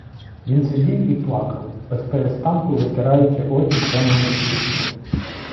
Він сидів і плакав, безперестанку витираючи очі темною хусткою.